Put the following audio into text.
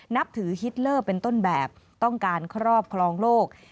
นับถือฮิตเลอร์เป็นต้นแบบต้องการครอบครองโลก